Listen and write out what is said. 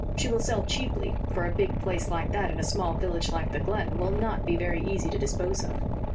She will sell cheaply, for a big place like that in a small village like the Glen will not be very easy to dispose of."